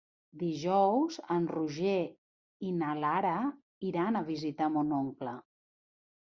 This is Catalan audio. Dijous en Roger i na Lara iran a visitar mon oncle.